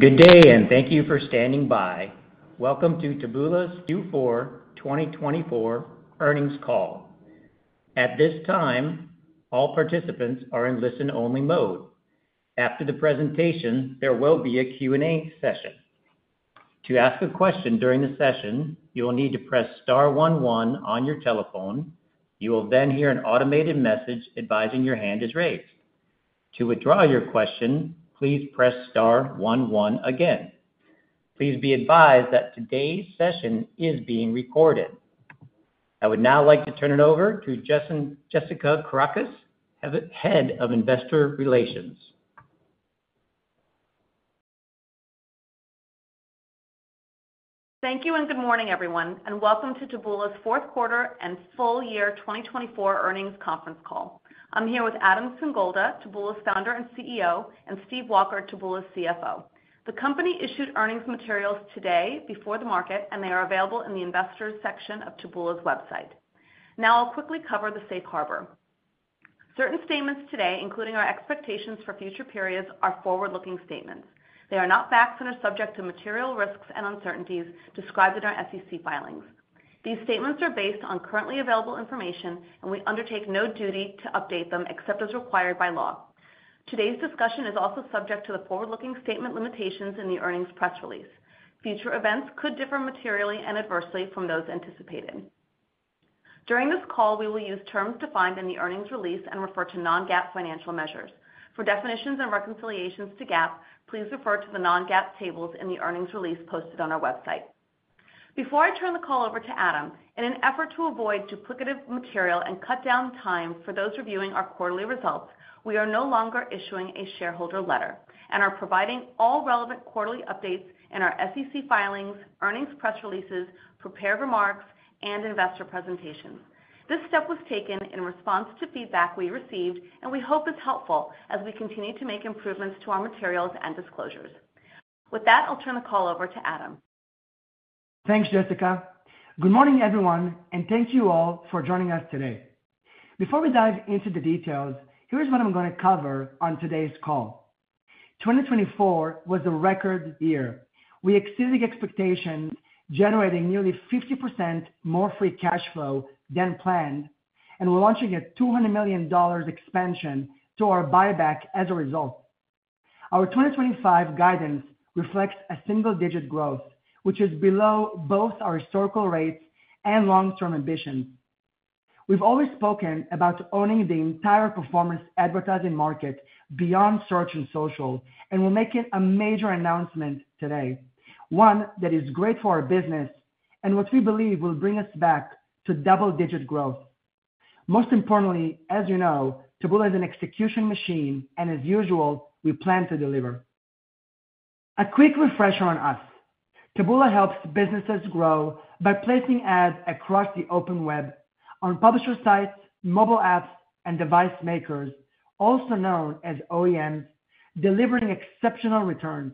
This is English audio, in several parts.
Good day, and thank you for standing by. Welcome to Taboola Q4 2024 earnings call. At this time, all participants are in listen-only mode. After the presentation, there will be a Q&A session. To ask a question during the session, you'll need to press star 11 on your telephone. You will then hear an automated message advising your hand is raised. To withdraw your question, please press star 11 again. Please be advised that today's session is being recorded. I would now like to turn it over to Jessica Kourakos, Head of Investor Relations. Thank you, and good morning, everyone, and welcome to Taboola's fourth quarter and full year 2024 earnings conference call. I'm here with Adam Singolda, Taboola's founder and CEO, and Steve Walker, Taboola's CFO. The company issued earnings materials today before the market, and they are available in the investors' section of Taboola's website. Now, I'll quickly cover the safe harbor. Certain statements today, including our expectations for future periods, are forward-looking statements. They are not facts and are subject to material risks and uncertainties described in our SEC filings. These statements are based on currently available information, and we undertake no duty to update them except as required by law. Today's discussion is also subject to the forward-looking statement limitations in the earnings press release. Future events could differ materially and adversely from those anticipated. During this call, we will use terms defined in the earnings release and refer to Non-GAAP financial measures. For definitions and reconciliations to GAAP, please refer to the Non-GAAP tables in the earnings release posted on our website. Before I turn the call over to Adam, in an effort to avoid duplicative material and cut down time for those reviewing our quarterly results, we are no longer issuing a shareholder letter and are providing all relevant quarterly updates in our SEC filings, earnings press releases, prepared remarks, and investor presentations. This step was taken in response to feedback we received, and we hope it's helpful as we continue to make improvements to our materials and disclosures. With that, I'll turn the call over to Adam. Thanks, Jessica. Good morning, everyone, and thank you all for joining us today. Before we dive into the details, here's what I'm going to cover on today's call. 2024 was a record year. We exceeded expectations, generating nearly 50% more free cash flow than planned, and we're launching a $200 million expansion to our buyback as a result. Our 2025 guidance reflects a single-digit growth, which is below both our historical rates and long-term ambitions. We've always spoken about owning the entire performance advertising market beyond search and social, and we're making a major announcement today, one that is great for our business and what we believe will bring us back to double-digit growth. Most importantly, as you know, Taboola is an execution machine, and as usual, we plan to deliver. A quick refresher on us: Taboola helps businesses grow by placing ads across the open web on publisher sites, mobile apps, and device makers, also known as OEMs, delivering exceptional returns.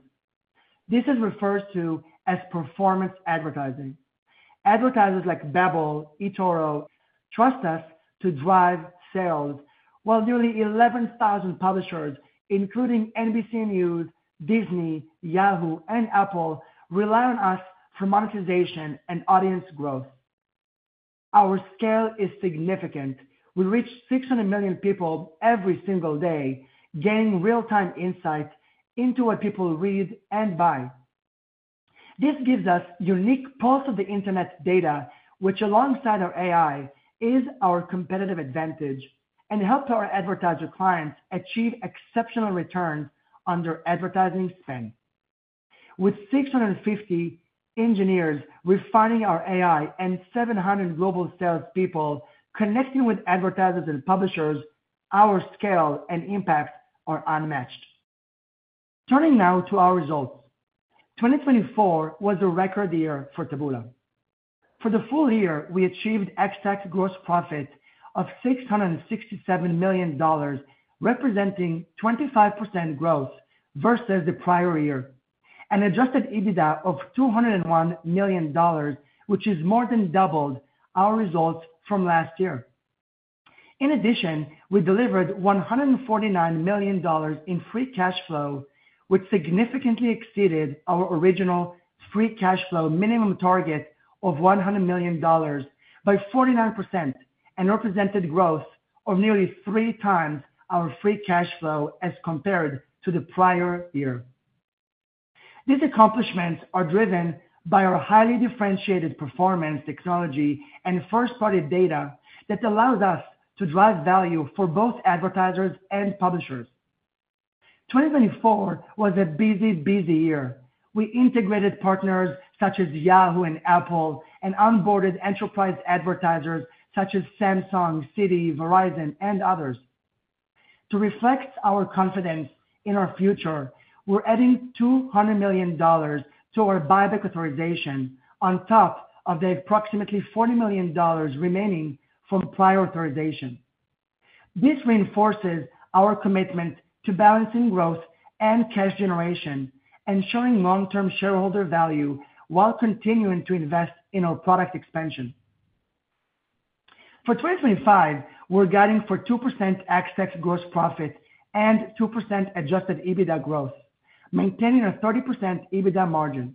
This is referred to as performance advertising. Advertisers like Babbel, eToro, trust us to drive sales, while nearly 11,000 publishers, including NBC News, Disney, Yahoo, and Apple, rely on us for monetization and audience growth. Our scale is significant. We reach 600 million people every single day, gaining real-time insight into what people read and buy. This gives us unique pulse of the internet data, which, alongside our AI, is our competitive advantage and helps our advertiser clients achieve exceptional returns on their advertising spend. With 650 engineers refining our AI and 700 global salespeople connecting with advertisers and publishers, our scale and impact are unmatched. Turning now to our results, 2024 was a record year for Taboola. For the full year, we achieved Ex-TAC gross profit of $667 million, representing 25% growth versus the prior year, and Adjusted EBITDA of $201 million, which is more than doubled our results from last year. In addition, we delivered $149 million in free cash flow, which significantly exceeded our original free cash flow minimum target of $100 million by 49% and represented growth of nearly three times our free cash flow as compared to the prior year. These accomplishments are driven by our highly differentiated performance technology and first-party data that allows us to drive value for both advertisers and publishers. 2024 was a busy, busy year. We integrated partners such as Yahoo and Apple and onboarded enterprise advertisers such as Samsung, Citi, Verizon, and others. To reflect our confidence in our future, we're adding $200 million to our buyback authorization on top of the approximately $40 million remaining from prior authorization. This reinforces our commitment to balancing growth and cash generation and showing long-term shareholder value while continuing to invest in our product expansion. For 2025, we're guiding for 2% ex-TAC gross profit and 2% Adjusted EBITDA growth, maintaining a 30% EBITDA margin.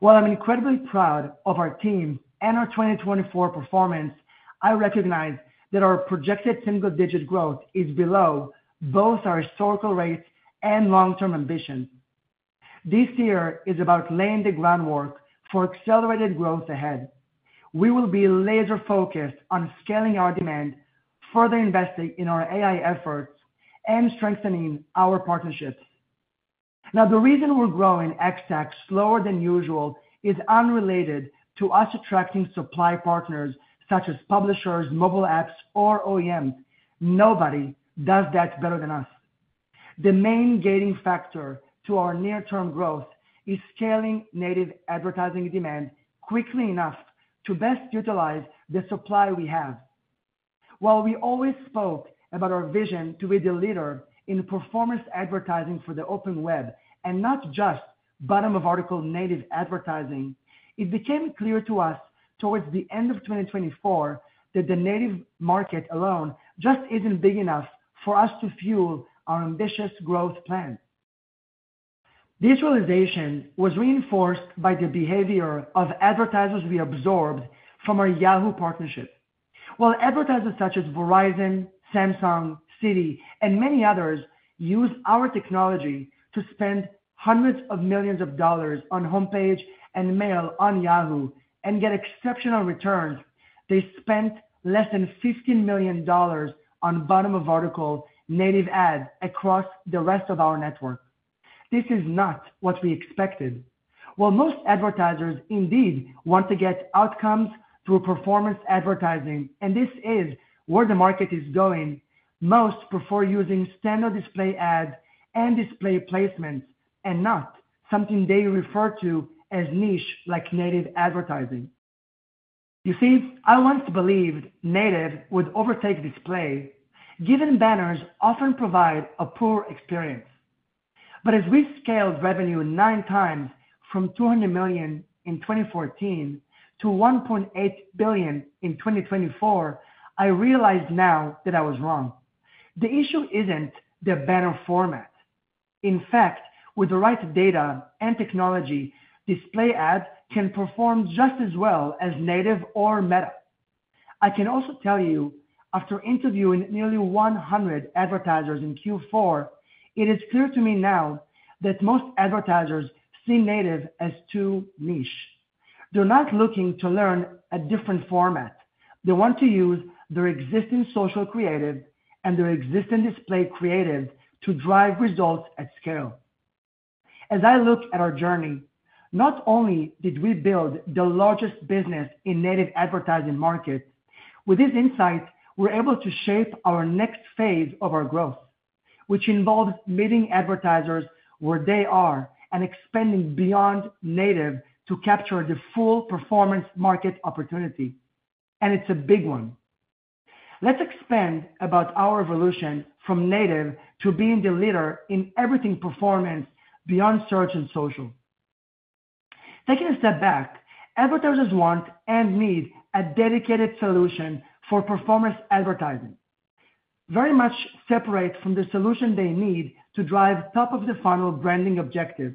While I'm incredibly proud of our team and our 2024 performance, I recognize that our projected single-digit growth is below both our historical rates and long-term ambitions. This year is about laying the groundwork for accelerated growth ahead. We will be laser-focused on scaling our demand, further investing in our AI efforts, and strengthening our partnerships. Now, the reason we're growing ex-TAC slower than usual is unrelated to us attracting supply partners such as publishers, mobile apps, or OEMs. Nobody does that better than us. The main gating factor to our near-term growth is scaling native advertising demand quickly enough to best utilize the supply we have. While we always spoke about our vision to be the leader in performance advertising for the open web and not just bottom-of-article native advertising, it became clear to us towards the end of 2024 that the native market alone just isn't big enough for us to fuel our ambitious growth plan. This realization was reinforced by the behavior of advertisers we absorbed from our Yahoo partnership. While advertisers such as Verizon, Samsung, Citi, and many others use our technology to spend hundreds of millions of dollars on homepage and mail on Yahoo and get exceptional returns, they spent less than $15 million on bottom-of-article native ads across the rest of our network. This is not what we expected. While most advertisers indeed want to get outcomes through performance advertising, and this is where the market is going, most prefer using standard display ads and display placements and not something they refer to as niche like native advertising. You see, I once believed native would overtake display, given banners often provide a poor experience. But as we scaled revenue nine times from $200 million in 2014 to $1.8 billion in 2024, I realized now that I was wrong. The issue isn't the banner format. In fact, with the right data and technology, display ads can perform just as well as native or Meta. I can also tell you, after interviewing nearly 100 advertisers in Q4, it is clear to me now that most advertisers see native as too niche. They're not looking to learn a different format. They want to use their existing social creative and their existing display creative to drive results at scale. As I look at our journey, not only did we build the largest business in native advertising markets, with this insight, we're able to shape our next phase of our growth, which involves meeting advertisers where they are and expanding beyond native to capture the full performance market opportunity. And it's a big one. Let's expand about our evolution from native to being the leader in everything performance beyond search and social. Taking a step back, advertisers want and need a dedicated solution for performance advertising, very much separate from the solution they need to drive top-of-the-funnel branding objective.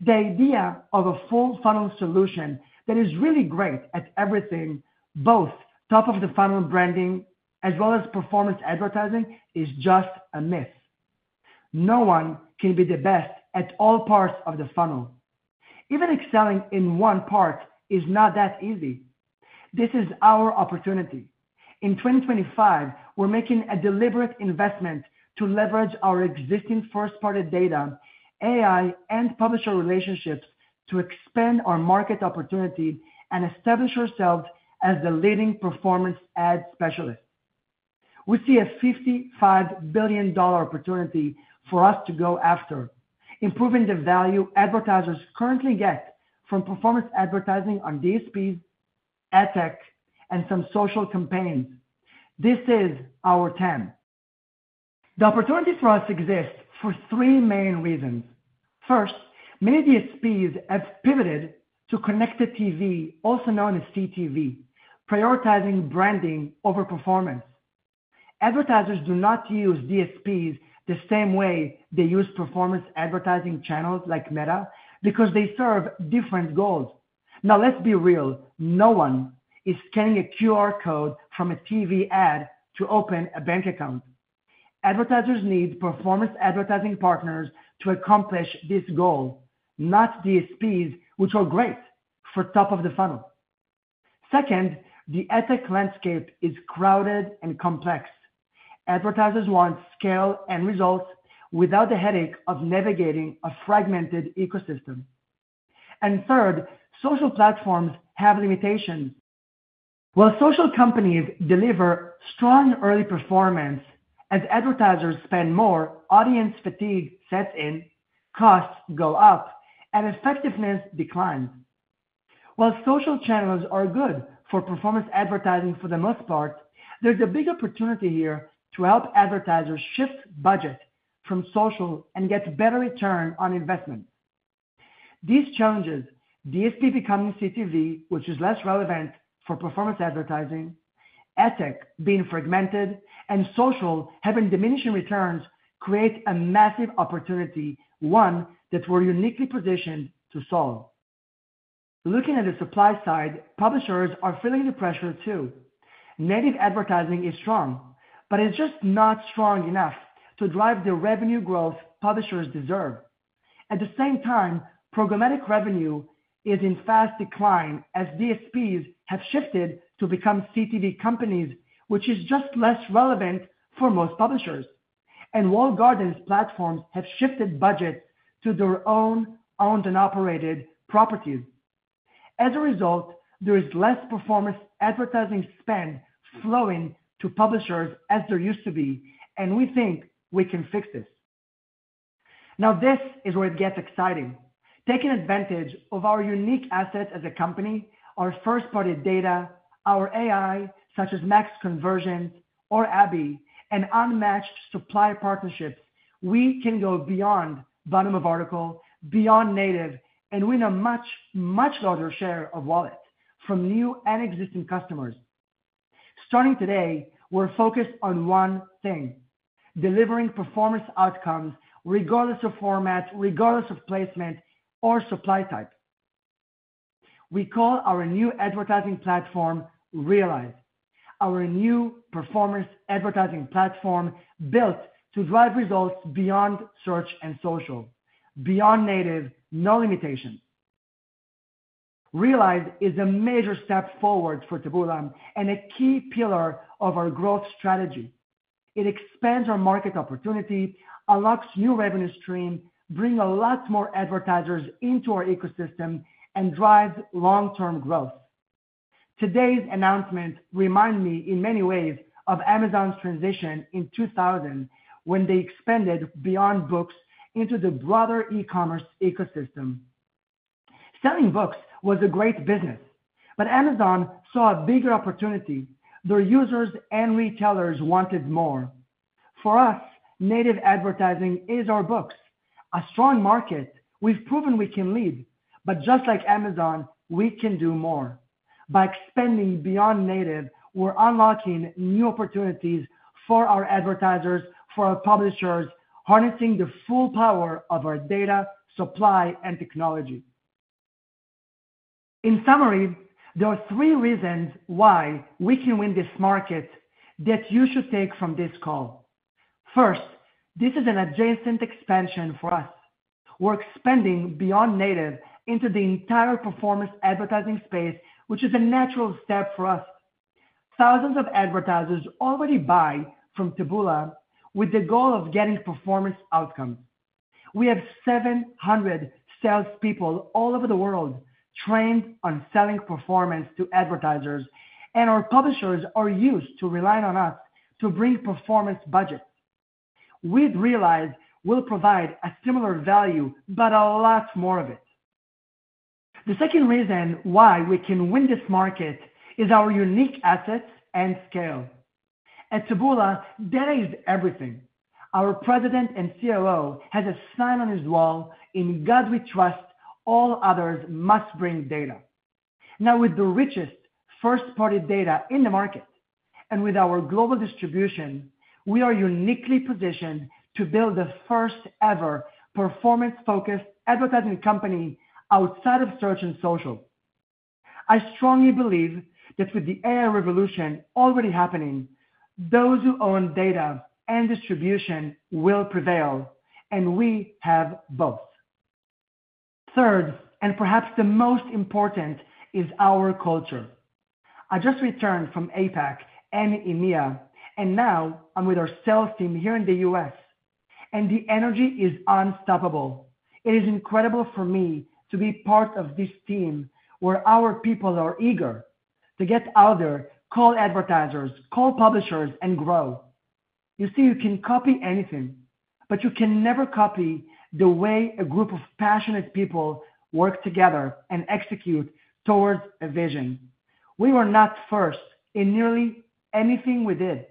The idea of a full-funnel solution that is really great at everything, both top-of-the-funnel branding as well as performance advertising, is just a myth. No one can be the best at all parts of the funnel. Even excelling in one part is not that easy. This is our opportunity. In 2025, we're making a deliberate investment to leverage our existing first-party data, AI, and publisher relationships to expand our market opportunity and establish ourselves as the leading performance ad specialists. We see a $55 billion opportunity for us to go after, improving the value advertisers currently get from performance advertising on DSPs, ad tech, and some social campaigns. This is our time. The opportunity for us exists for three main reasons. First, many DSPs have pivoted to connected TV, also known as CTV, prioritizing branding over performance. Advertisers do not use DSPs the same way they use performance advertising channels like Meta because they serve different goals. Now, let's be real. No one is scanning a QR code from a TV ad to open a bank account. Advertisers need performance advertising partners to accomplish this goal, not DSPs, which are great for top-of-the-funnel. Second, the ad tech landscape is crowded and complex. Advertisers want scale and results without the headache of navigating a fragmented ecosystem. And third, social platforms have limitations. While social companies deliver strong early performance, as advertisers spend more, audience fatigue sets in, costs go up, and effectiveness declines. While social channels are good for performance advertising for the most part, there's a big opportunity here to help advertisers shift budget from social and get better return on investment. These challenges, DSP becoming CTV, which is less relevant for performance advertising, ad tech being fragmented, and social having diminishing returns, create a massive opportunity, one that we're uniquely positioned to solve. Looking at the supply side, publishers are feeling the pressure too. Native advertising is strong, but it's just not strong enough to drive the revenue growth publishers deserve. At the same time, programmatic revenue is in fast decline as DSPs have shifted to become CTV companies, which is just less relevant for most publishers. And walled garden's platforms have shifted budgets to their own owned and operated properties. As a result, there is less performance advertising spend flowing to publishers as there used to be, and we think we can fix this. Now, this is where it gets exciting. Taking advantage of our unique assets as a company, our first-party data, our AI, such as Max Conversions or ABI, and unmatched supply partnerships, we can go beyond bottom-of-article, beyond native, and win a much, much larger share of wallets from new and existing customers. Starting today, we're focused on one thing: delivering performance outcomes regardless of format, regardless of placement or supply type. We call our new advertising platform Realize, our new performance advertising platform built to drive results beyond search and social, beyond native, no limitations. Realize is a major step forward for Taboola and a key pillar of our growth strategy. It expands our market opportunity, unlocks new revenue streams, brings a lot more advertisers into our ecosystem, and drives long-term growth. Today's announcement reminds me in many ways of Amazon's transition in 2000 when they expanded beyond books into the broader e-commerce ecosystem. Selling books was a great business, but Amazon saw a bigger opportunity. Their users and retailers wanted more. For us, native advertising is our books, a strong market we've proven we can lead. But just like Amazon, we can do more. By expanding beyond native, we're unlocking new opportunities for our advertisers, for our publishers, harnessing the full power of our data, supply, and technology. In summary, there are three reasons why we can win this market that you should take from this call. First, this is an adjacent expansion for us. We're expanding beyond native into the entire performance advertising space, which is a natural step for us. Thousands of advertisers already buy from Taboola with the goal of getting performance outcomes. We have 700 salespeople all over the world trained on selling performance to advertisers, and our publishers are used to relying on us to bring performance budgets. With Realize, we'll provide a similar value, but a lot more of it. The second reason why we can win this market is our unique assets and scale. At Taboola, data is everything. Our President and COO has a sign on his wall, "In God we trust, all others must bring data." Now, with the richest first-party data in the market and with our global distribution, we are uniquely positioned to build the first-ever performance-focused advertising company outside of search and social. I strongly believe that with the AI revolution already happening, those who own data and distribution will prevail, and we have both. Third, and perhaps the most important, is our culture. I just returned from APAC and EMEA, and now I'm with our sales team here in the US, and the energy is unstoppable. It is incredible for me to be part of this team where our people are eager to get out there, call advertisers, call publishers, and grow. You see, you can copy anything, but you can never copy the way a group of passionate people work together and execute towards a vision. We were not first in nearly anything we did,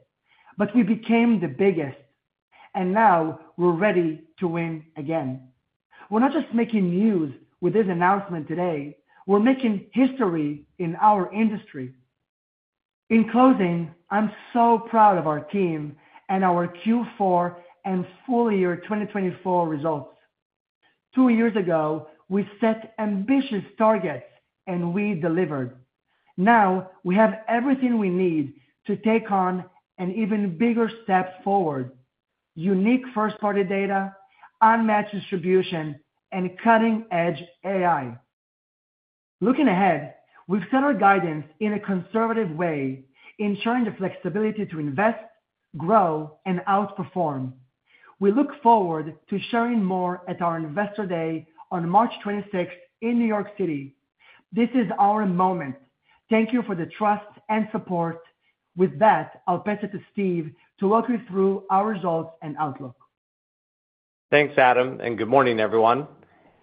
but we became the biggest, and now we're ready to win again. We're not just making news with this announcement today. We're making history in our industry. In closing, I'm so proud of our team and our Q4 and full year 2024 results. Two years ago, we set ambitious targets, and we delivered. Now we have everything we need to take on an even bigger step forward: unique first-party data, unmatched distribution, and cutting-edge AI. Looking ahead, we've set our guidance in a conservative way, ensuring the flexibility to invest, grow, and outperform. We look forward to sharing more at our Investor Day on March 26 in New York City. This is our moment. Thank you for the trust and support. With that, I'll pass it to Steve to walk you through our results and outlook. Thanks, Adam, and good morning, everyone.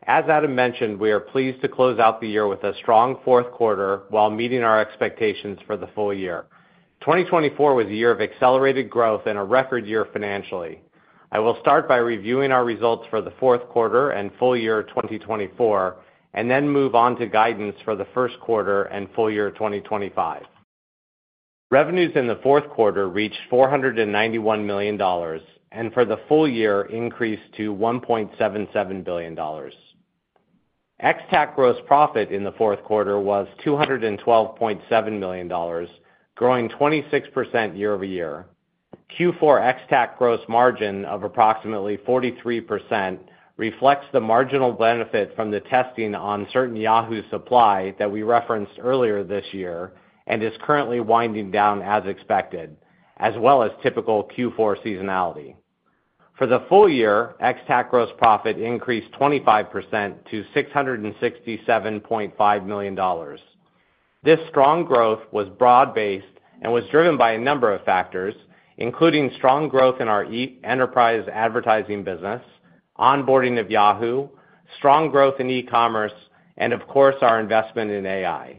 As Adam mentioned, we are pleased to close out the year with a strong fourth quarter while meeting our expectations for the full year. 2024 was a year of accelerated growth and a record year financially. I will start by reviewing our results for the fourth quarter and full year 2024, and then move on to guidance for the first quarter and full year 2025. Revenues in the fourth quarter reached $491 million, and for the full year, increased to $1.77 billion. Ex-TAC gross profit in the fourth quarter was $212.7 million, growing 26% year over year. Q4 Ex-TAC gross margin of approximately 43% reflects the marginal benefit from the testing on certain Yahoo supply that we referenced earlier this year and is currently winding down, as expected, as well as typical Q4 seasonality. For the full year, Ex-TAC gross profit increased 25% to $667.5 million. This strong growth was broad-based and was driven by a number of factors, including strong growth in our enterprise advertising business, onboarding of Yahoo, strong growth in e-commerce, and of course, our investment in AI.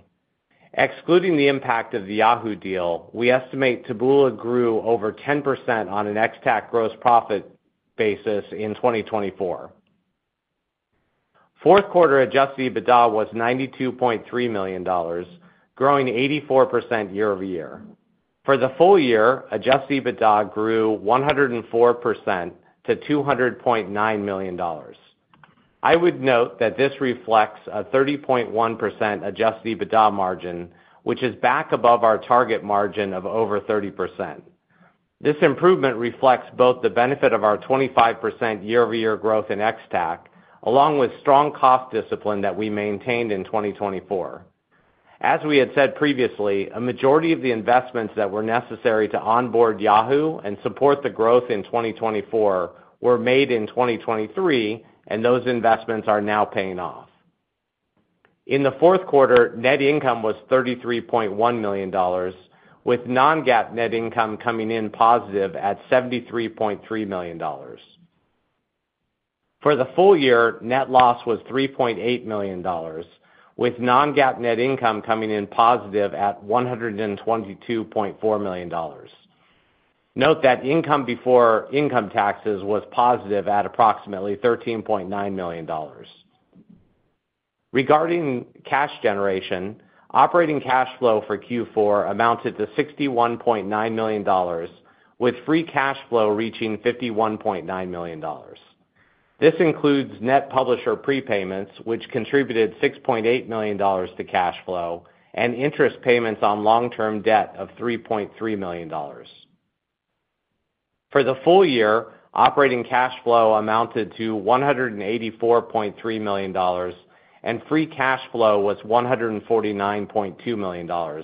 Excluding the impact of the Yahoo deal, we estimate Taboola grew over 10% on an Ex-TAC gross profit basis in 2024. Fourth quarter Adjusted EBITDA was $92.3 million, growing 84% year over year. For the full year, Adjusted EBITDA grew 104% to $200.9 million. I would note that this reflects a 30.1% Adjusted EBITDA margin, which is back above our target margin of over 30%. This improvement reflects both the benefit of our 25% year-over-year growth in Ex-TAC, along with strong cost discipline that we maintained in 2024. As we had said previously, a majority of the investments that were necessary to onboard Yahoo and support the growth in 2024 were made in 2023, and those investments are now paying off. In the fourth quarter, net income was $33.1 million, with Non-GAAP net income coming in positive at $73.3 million. For the full year, net loss was $3.8 million, with Non-GAAP net income coming in positive at $122.4 million. Note that income before income taxes was positive at approximately $13.9 million. Regarding cash generation, operating cash flow for Q4 amounted to $61.9 million, with free cash flow reaching $51.9 million. This includes net publisher prepayments, which contributed $6.8 million to cash flow, and interest payments on long-term debt of $3.3 million. For the full year, operating cash flow amounted to $184.3 million, and free cash flow was $149.2 million,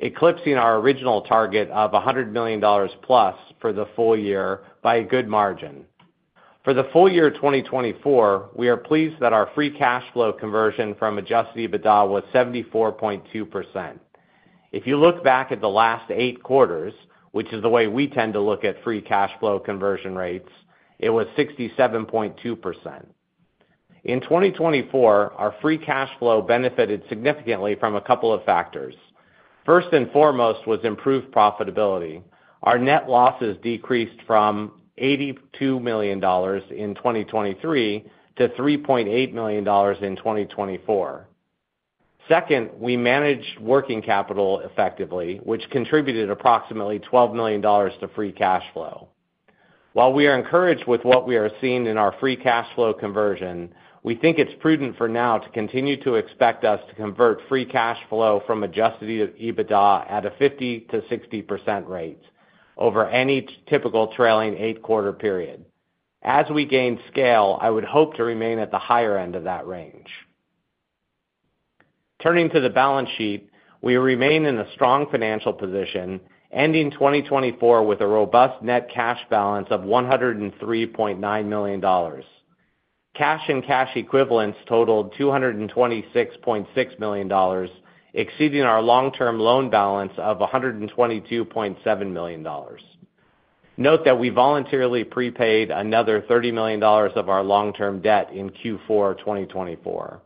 eclipsing our original target of $100 million plus for the full year by a good margin. For the full year 2024, we are pleased that our free cash flow conversion from Adjusted EBITDA was 74.2%. If you look back at the last eight quarters, which is the way we tend to look at free cash flow conversion rates, it was 67.2%. In 2024, our free cash flow benefited significantly from a couple of factors. First and foremost was improved profitability. Our net losses decreased from $82 million in 2023 to $3.8 million in 2024. Second, we managed working capital effectively, which contributed approximately $12 million to free cash flow. While we are encouraged with what we are seeing in our free cash flow conversion, we think it's prudent for now to continue to expect us to convert free cash flow from Adjusted EBITDA at a 50%-60% rate over any typical trailing eight-quarter period. As we gain scale, I would hope to remain at the higher end of that range. Turning to the balance sheet, we remain in a strong financial position, ending 2024 with a robust net cash balance of $103.9 million. Cash and cash equivalents totaled $226.6 million, exceeding our long-term loan balance of $122.7 million. Note that we voluntarily prepaid another $30 million of our long-term debt in Q4 2024.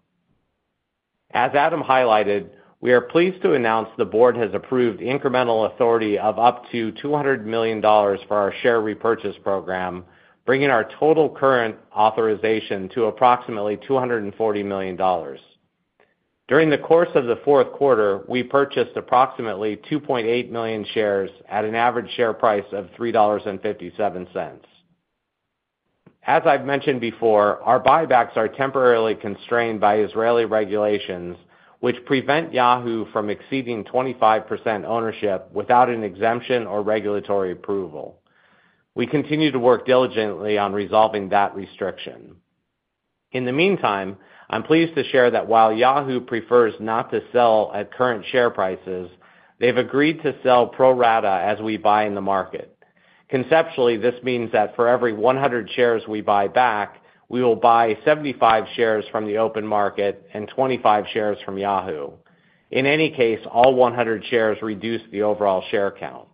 As Adam highlighted, we are pleased to announce the board has approved incremental authority of up to $200 million for our share repurchase program, bringing our total current authorization to approximately $240 million. During the course of the fourth quarter, we purchased approximately 2.8 million shares at an average share price of $3.57. As I've mentioned before, our buybacks are temporarily constrained by Israeli regulations, which prevent Yahoo from exceeding 25% ownership without an exemption or regulatory approval. We continue to work diligently on resolving that restriction. In the meantime, I'm pleased to share that while Yahoo prefers not to sell at current share prices, they've agreed to sell pro rata as we buy in the market. Conceptually, this means that for every 100 shares we buy back, we will buy 75 shares from the open market and 25 shares from Yahoo. In any case, all 100 shares reduce the overall share count.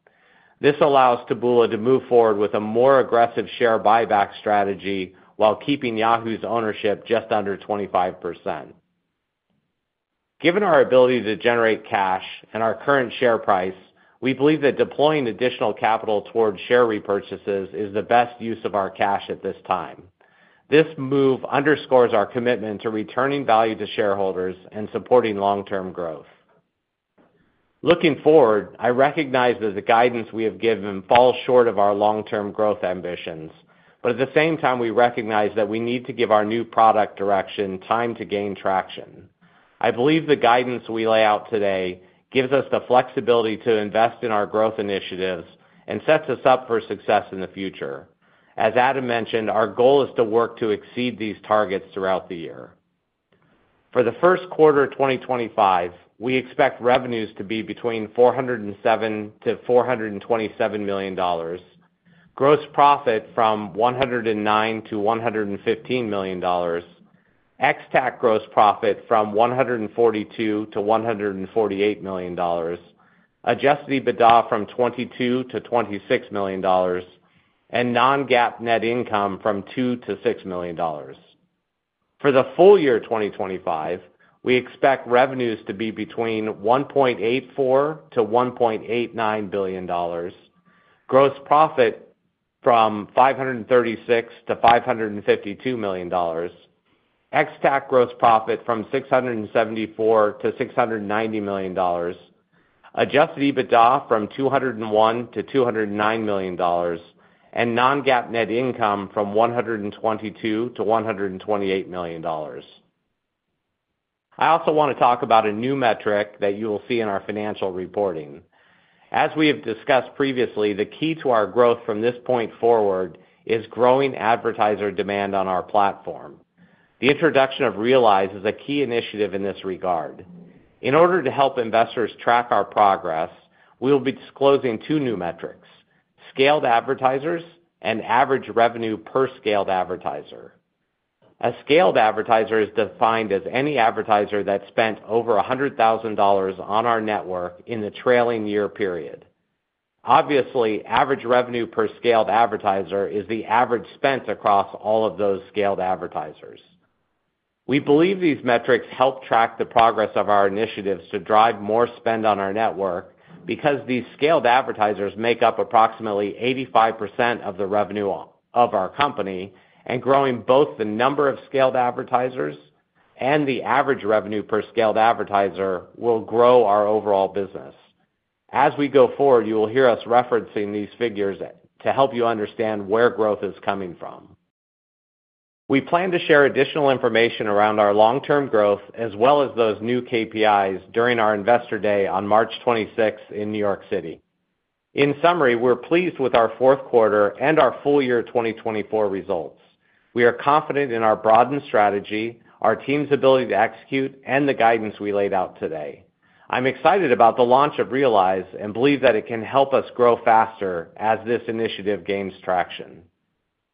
This allows Taboola to move forward with a more aggressive share buyback strategy while keeping Yahoo's ownership just under 25%. Given our ability to generate cash and our current share price, we believe that deploying additional capital towards share repurchases is the best use of our cash at this time. This move underscores our commitment to returning value to shareholders and supporting long-term growth. Looking forward, I recognize that the guidance we have given falls short of our long-term growth ambitions, but at the same time, we recognize that we need to give our new product direction time to gain traction. I believe the guidance we lay out today gives us the flexibility to invest in our growth initiatives and sets us up for success in the future. As Adam mentioned, our goal is to work to exceed these targets throughout the year. For the first quarter of 2025, we expect revenues to be between $407-$427 million, gross profit from $109-$115 million, Ex-TAC gross profit from $142-$148 million, Adjusted EBITDA from $22-$26 million, and non-GAAP net income from $2-$6 million. For the full year 2025, we expect revenues to be between $1.84-$1.89 billion, gross profit from $536-$552 million, Ex-TAC gross profit from $674-$690 million, Adjusted EBITDA from $201-$209 million, and non-GAAP net income from $122-$128 million. I also want to talk about a new metric that you will see in our financial reporting. As we have discussed previously, the key to our growth from this point forward is growing advertiser demand on our platform. The introduction of Realize is a key initiative in this regard. In order to help investors track our progress, we will be disclosing two new metrics: scaled advertisers and average revenue per scaled advertiser. A scaled advertiser is defined as any advertiser that spent over $100,000 on our network in the trailing year period. Obviously, average revenue per scaled advertiser is the average spent across all of those scaled advertisers. We believe these metrics help track the progress of our initiatives to drive more spend on our network because these scaled advertisers make up approximately 85% of the revenue of our company, and growing both the number of scaled advertisers and the average revenue per scaled advertiser will grow our overall business. As we go forward, you will hear us referencing these figures to help you understand where growth is coming from. We plan to share additional information around our long-term growth as well as those new KPIs during our Investor Day on March 26 in New York City. In summary, we're pleased with our fourth quarter and our full year 2024 results. We are confident in our broadened strategy, our team's ability to execute, and the guidance we laid out today. I'm excited about the launch of Realize and believe that it can help us grow faster as this initiative gains traction.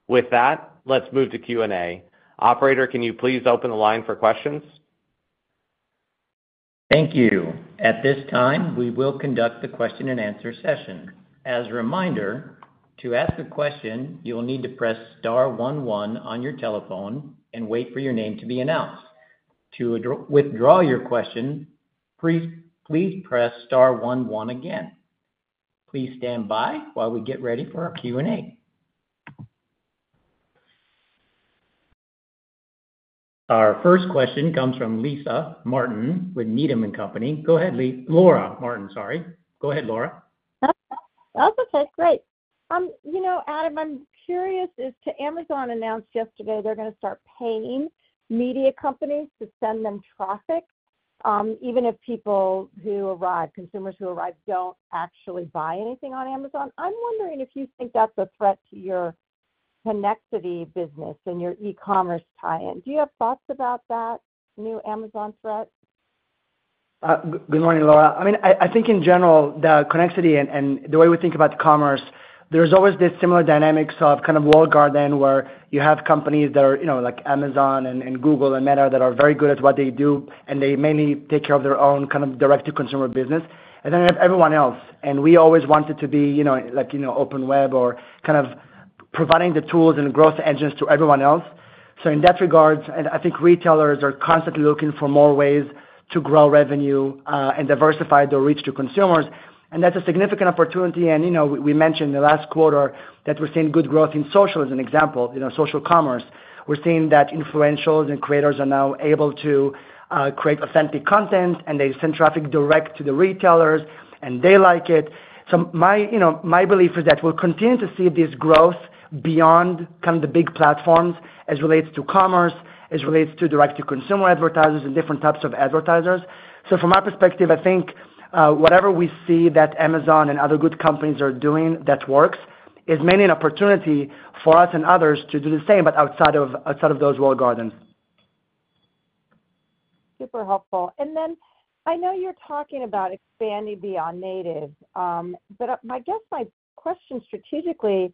With that, let's move to Q&A. Operator, can you please open the line for questions? Thank you. At this time, we will conduct the question-and-answer session. As a reminder, to ask a question, you'll need to press star 11 on your telephone and wait for your name to be announced. To withdraw your question, please press star 11 again. Please stand by while we get ready for our Q&A. Our first question comes from Laura Martin with Needham & Company. Go ahead, Laura. Martin, sorry. Go ahead, Laura. That's okay. Great. You know, Adam, I'm curious as to Amazon announced yesterday they're going to start paying media companies to send them traffic, even if people who arrive, consumers who arrive, don't actually buy anything on Amazon. I'm wondering if you think that's a threat to your connectivity business and your e-commerce tie-in. Do you have thoughts about that new Amazon threat? Good morning, Laura. I mean, I think in general, the connectivity and the way we think about commerce, there's always this similar dynamic of kind of walled garden where you have companies that are like Amazon and Google and Meta that are very good at what they do, and they mainly take care of their own kind of direct-to-consumer business, and then everyone else. And we always wanted to be like Open Web or kind of providing the tools and growth engines to everyone else. So in that regard, I think retailers are constantly looking for more ways to grow revenue and diversify their reach to consumers. And that's a significant opportunity. And we mentioned in the last quarter that we're seeing good growth in social, as an example, social commerce. We're seeing that influentials and creators are now able to create authentic content, and they send traffic direct to the retailers, and they like it. So my belief is that we'll continue to see this growth beyond kind of the big platforms as relates to commerce, as relates to direct-to-consumer advertisers and different types of advertisers. So from our perspective, I think whatever we see that Amazon and other good companies are doing that works is mainly an opportunity for us and others to do the same, but outside of those walled gardens. Super helpful. And then I know you're talking about expanding beyond native, but I guess my question strategically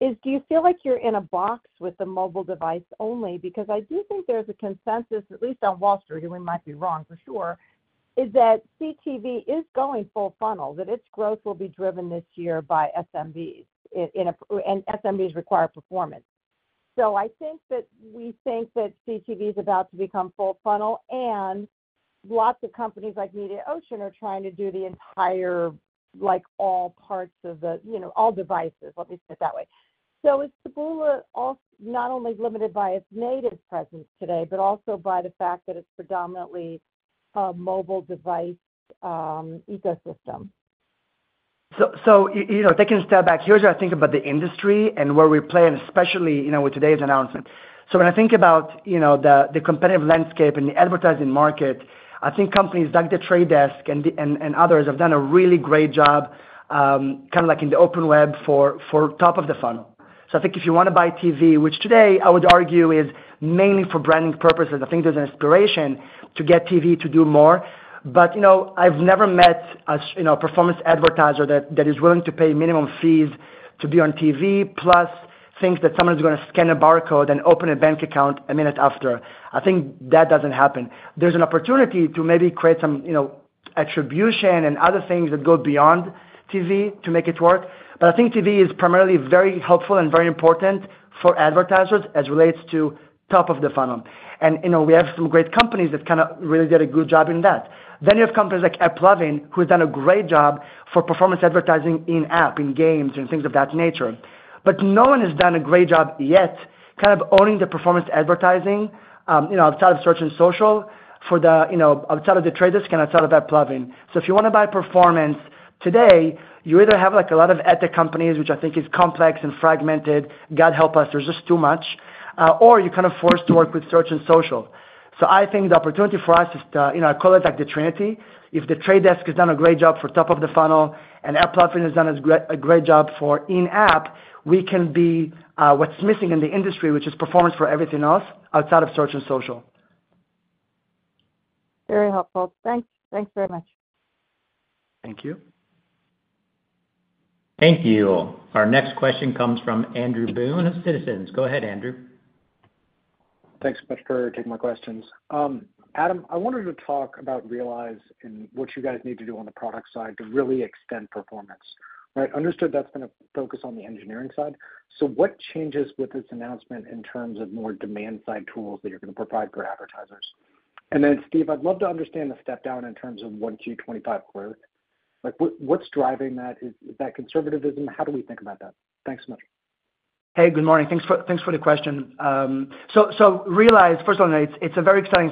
is, do you feel like you're in a box with the mobile device only? Because I do think there's a consensus, at least on Wall Street, and we might be wrong for sure, is that CTV is going full funnel, and its growth will be driven this year by SMBs, and SMBs require performance. So I think that we think that CTV is about to become full funnel, and lots of companies like Mediaocean are trying to do the entire, like all parts of the, all devices, let me say it that way. So is Taboola not only limited by its native presence today, but also by the fact that it's predominantly a mobile device ecosystem? So taking a step back, here's what I think about the industry and where we play, and especially with today's announcement. So when I think about the competitive landscape and the advertising market, I think companies like The Trade Desk and others have done a really great job kind of like in the Open Web for top of the funnel. So I think if you want to buy TV, which today I would argue is mainly for branding purposes, I think there's an aspiration to get TV to do more. But I've never met a performance advertiser that is willing to pay minimum fees to be on TV, plus thinks that someone is going to scan a barcode and open a bank account a minute after. I think that doesn't happen. There's an opportunity to maybe create some attribution and other things that go beyond TV to make it work. But I think TV is primarily very helpful and very important for advertisers as relates to top of the funnel. And we have some great companies that kind of really did a good job in that. Then you have companies like AppLovin, who has done a great job for performance advertising in app, in games, and things of that nature. But no one has done a great job yet kind of owning the performance advertising outside of search and social, outside of the Trade Desk and outside of AppLovin. So if you want to buy performance today, you either have a lot of ad tech companies, which I think is complex and fragmented. God help us, there's just too much, or you're kind of forced to work with search and social. So I think the opportunity for us is to, I call it like the Trinity. If The Trade Desk has done a great job for top of the funnel and AppLovin has done a great job for in-app, we can be what's missing in the industry, which is performance for everything else outside of search and social. Very helpful. Thanks. Thanks very much. Thank you. Thank you. Our next question comes from Andrew Boone of Citizens. Go ahead, Andrew. Thanks so much for taking my questions. Adam, I wanted to talk about Realize and what you guys need to do on the product side to really extend performance. Understood, that's going to focus on the engineering side. So what changes with this announcement in terms of more demand-side tools that you're going to provide for advertisers? And then, Steve, I'd love to understand the step down in terms of 1Q25 growth. What's driving that? Is that conservatism? How do we think about that? Thanks so much. Hey, good morning. Thanks for the question. So Realize, first of all, it's a very exciting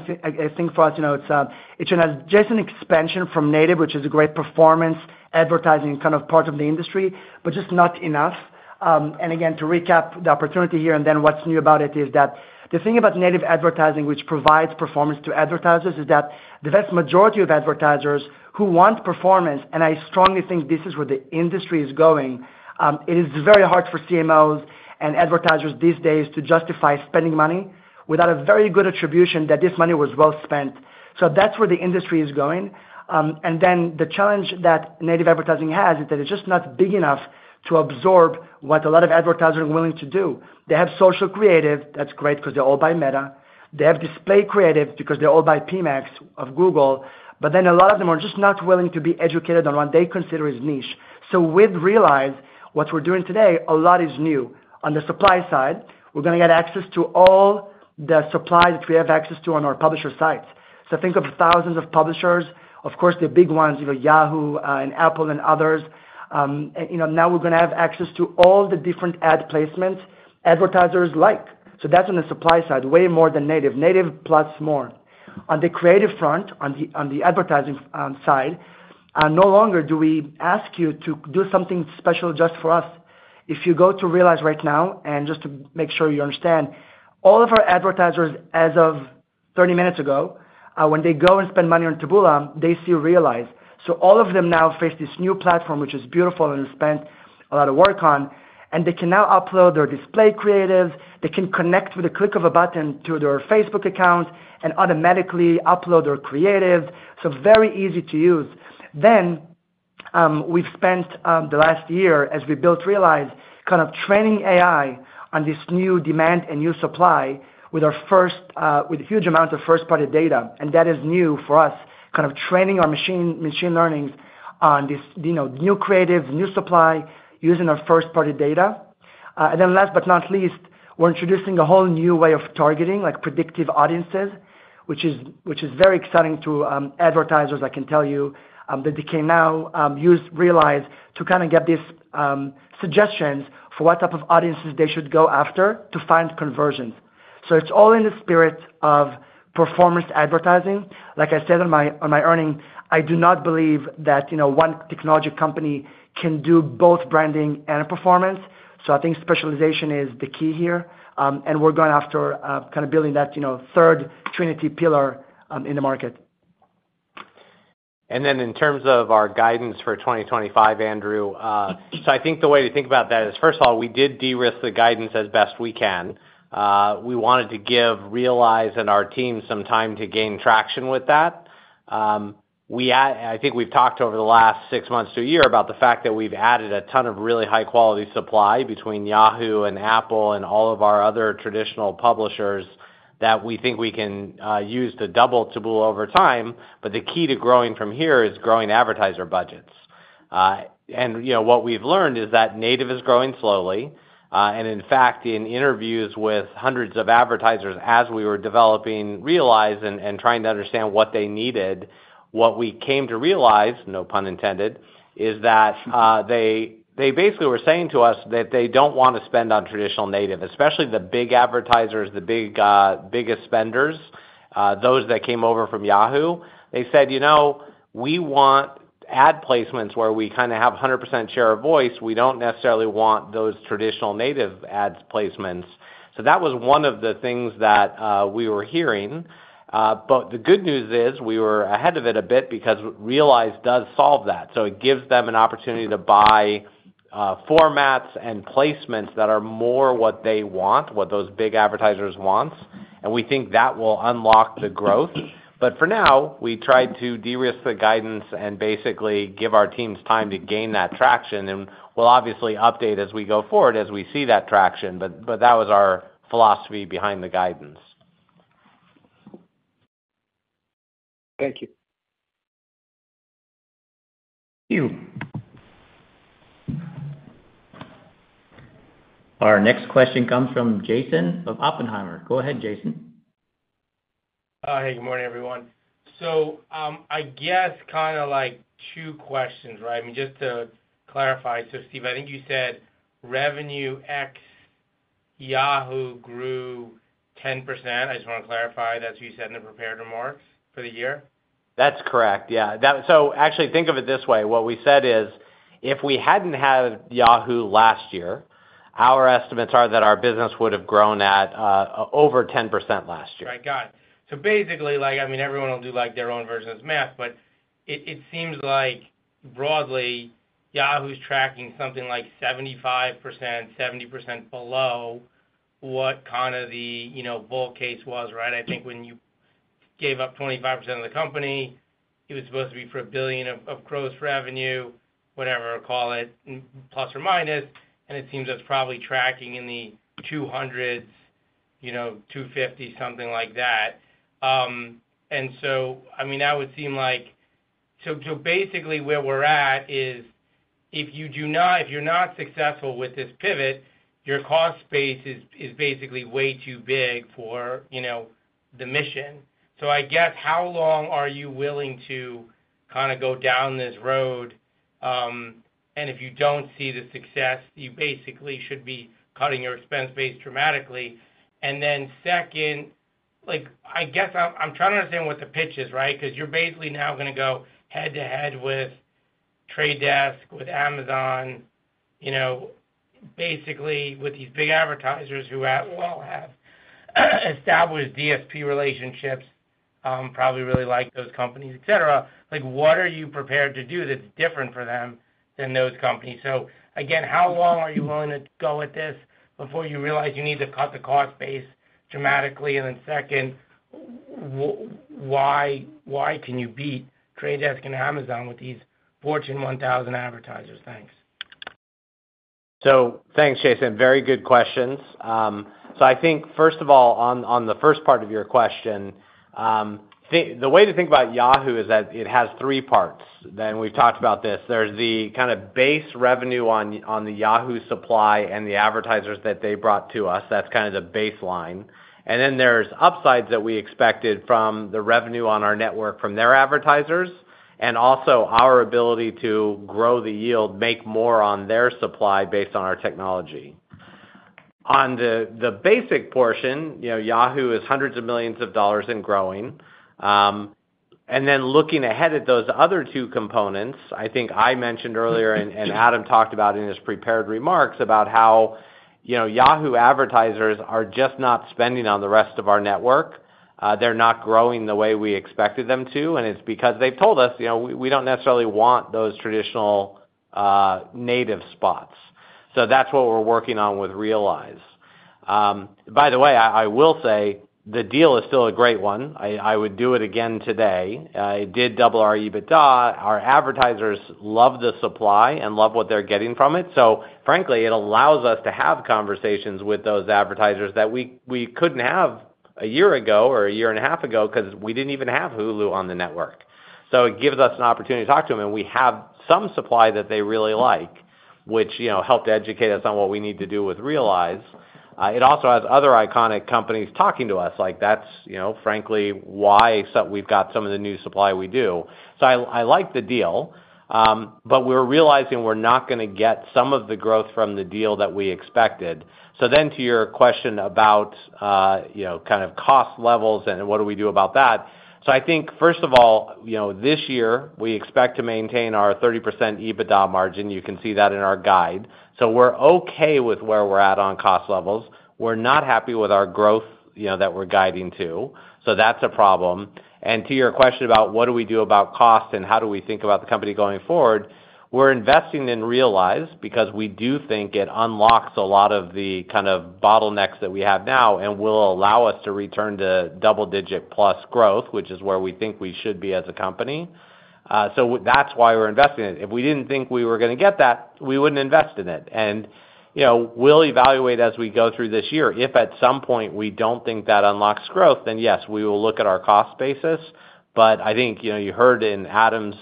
thing for us. It's an adjacent expansion from native, which is a great performance advertising kind of part of the industry, but just not enough. And again, to recap the opportunity here and then what's new about it is that the thing about native advertising, which provides performance to advertisers, is that the vast majority of advertisers who want performance, and I strongly think this is where the industry is going, it is very hard for CMOs and advertisers these days to justify spending money without a very good attribution that this money was well spent. So that's where the industry is going. And then the challenge that native advertising has is that it's just not big enough to absorb what a lot of advertisers are willing to do. They have social creative. That's great because they're all by Meta. They have display creative because they're all by PMax of Google. But then a lot of them are just not willing to be educated on what they consider is niche. So with Realize, what we're doing today, a lot is new. On the supply side, we're going to get access to all the supplies that we have access to on our publisher sites. So think of thousands of publishers. Of course, the big ones, Yahoo and Apple and others. Now we're going to have access to all the different ad placements advertisers like. So that's on the supply side, way more than native. Native plus more. On the creative front, on the advertising side, no longer do we ask you to do something special just for us. If you go to Realize right now, and just to make sure you understand, all of our advertisers as of 30 minutes ago, when they go and spend money on Taboola, they see Realize. So all of them now face this new platform, which is beautiful, and we spent a lot of work on. And they can now upload their display creatives. They can connect with a click of a button to their Facebook account and automatically upload their creatives. So very easy to use. Then we've spent the last year as we built Realize kind of training AI on this new demand and new supply with a huge amount of first-party data. And that is new for us, kind of training our machine learnings on this new creative, new supply using our first-party data. And then last but not least, we're introducing a whole new way of targeting, like Predictive Audiences, which is very exciting to advertisers, I can tell you, that they can now use Realize to kind of get these suggestions for what type of audiences they should go after to find conversions. So it's all in the spirit of performance advertising. Like I said on my earnings, I do not believe that one technology company can do both branding and performance. So I think specialization is the key here. We're going after kind of building that third Trinity pillar in the market. Then in terms of our guidance for 2025, Andrew, I think the way to think about that is, first of all, we did de-risk the guidance as best we can. We wanted to give Realize and our team some time to gain traction with that. I think we've talked over the last six months to a year about the fact that we've added a ton of really high-quality supply between Yahoo and Apple and all of our other traditional publishers that we think we can use to double Taboola over time. But the key to growing from here is growing advertiser budgets. And what we've learned is that native is growing slowly. And in fact, in interviews with hundreds of advertisers as we were developing Realize and trying to understand what they needed, what we came to realize, no pun intended, is that they basically were saying to us that they don't want to spend on traditional native, especially the big advertisers, the biggest spenders, those that came over from Yahoo. They said, "We want ad placements where we kind of have 100% share of voice. We don't necessarily want those traditional native ads placements." So that was one of the things that we were hearing. But the good news is we were ahead of it a bit because Realize does solve that. So it gives them an opportunity to buy formats and placements that are more what they want, what those big advertisers want. We think that will unlock the growth. But for now, we tried to de-risk the guidance and basically give our teams time to gain that traction. And we'll obviously update as we go forward as we see that traction. But that was our philosophy behind the guidance. Thank you. Our next question comes from Jason of Oppenheimer. Go ahead, Jason. Hey, good morning, everyone. So I guess kind of like two questions, right? I mean, just to clarify. So Steve, I think you said revenue ex Yahoo grew 10%. I just want to clarify. That's what you said in the prepared remarks for the year? That's correct. Yeah. So actually, think of it this way. What we said is if we hadn't had Yahoo last year, our estimates are that our business would have grown at over 10% last year. Right. Got it. So basically, I mean, everyone will do their own version of this math, but it seems like broadly, Yahoo's tracking something like 75%, 70% below what kind of the bull case was, right? I think when you gave up 25% of the company, it was supposed to be for $1 billion of gross revenue, whatever I call it, plus or minus. And it seems that's probably tracking in the $200 millions, $250 million, something like that. And so, I mean, that would seem like so basically where we're at is if you're not successful with this pivot, your cost base is basically way too big for the mission. So I guess how long are you willing to kind of go down this road? And if you don't see the success, you basically should be cutting your expense base dramatically. And then second, I guess I'm trying to understand what the pitch is, right? Because you're basically now going to go head to head with Trade Desk, with Amazon, basically with these big advertisers who all have established DSP relationships, probably really like those companies, etc. What are you prepared to do that's different for them than those companies? So again, how long are you willing to go with this before you realize you need to cut the cost base dramatically? And then second, why can you beat Trade Desk and Amazon with these Fortune 1000 advertisers? Thanks. So thanks, Jason. Very good questions. So I think, first of all, on the first part of your question, the way to think about Yahoo is that it has three parts. And we've talked about this. There's the kind of base revenue on the Yahoo supply and the advertisers that they brought to us. That's kind of the baseline. And then there's upsides that we expected from the revenue on our network from their advertisers and also our ability to grow the yield, make more on their supply based on our technology. On the basic portion, Yahoo is hundreds of millions of dollars in growing. And then looking ahead at those other two components, I think I mentioned earlier and Adam talked about in his prepared remarks about how Yahoo advertisers are just not spending on the rest of our network. They're not growing the way we expected them to. And it's because they've told us we don't necessarily want those traditional native spots. So that's what we're working on with Realize. By the way, I will say the deal is still a great one. I would do it again today. I did double our EBITDA. Our advertisers love the supply and love what they're getting from it. So frankly, it allows us to have conversations with those advertisers that we couldn't have a year ago or a year and a half ago because we didn't even have Hulu on the network. So it gives us an opportunity to talk to them, and we have some supply that they really like, which helped educate us on what we need to do with Realize. It also has other iconic companies talking to us. That's frankly why we've got some of the new supply we do. So I like the deal, but we're realizing we're not going to get some of the growth from the deal that we expected, so then to your question about kind of cost levels and what do we do about that? I think, first of all, this year we expect to maintain our 30% EBITDA margin. You can see that in our guide. We're okay with where we're at on cost levels. We're not happy with our growth that we're guiding to. That's a problem. To your question about what do we do about cost and how do we think about the company going forward, we're investing in Realize because we do think it unlocks a lot of the kind of bottlenecks that we have now and will allow us to return to double-digit plus growth, which is where we think we should be as a company. That's why we're investing in it. If we didn't think we were going to get that, we wouldn't invest in it. We'll evaluate as we go through this year. If at some point we don't think that unlocks growth, then yes, we will look at our cost basis. But I think you heard in Adam's